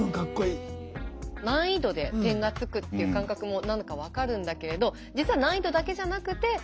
難易度で点がつくっていう感覚も何か分かるんだけれど実は難易度だけじゃなくて。